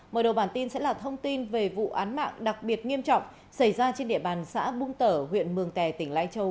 mở đầu bản tin sẽ là thông tin về vụ án mạng đặc biệt nghiêm trọng xảy ra trên địa bàn xã bùm tở huyện mường tè tỉnh lai châu